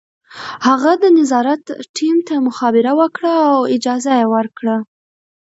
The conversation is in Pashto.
هغه د نظارت ټیم ته مخابره وکړه او اجازه یې ورکړه